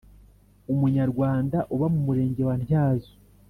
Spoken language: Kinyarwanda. Umunyarwanda uba mu Murenge wa Ntyazo